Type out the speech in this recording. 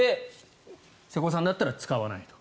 瀬古さんだったら使わないと。